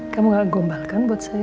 kamu gak gombal kan buat saya